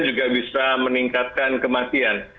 juga bisa meningkatkan kematian